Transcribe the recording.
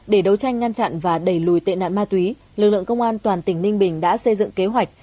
để đấu tranh ngăn chặn và đẩy lùi tệ nạn ma túy lực lượng công an toàn tỉnh ninh bình đã xây dựng kế hoạch